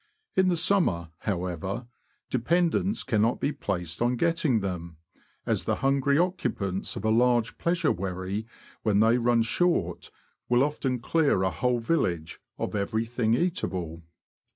In the summer, however, dependence cannot be placed on getting them, as the hungry occupants of a large pleasure wherry, when they run short, will often clear a whole village of everything eatable.